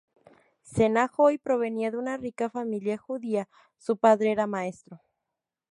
Senna Hoy provenía de una rica familia judía; su padre era maestro.